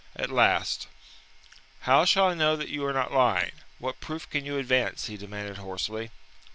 At last: "How shall I know that you are not lying? What proof can you advance?" he demanded hoarsely.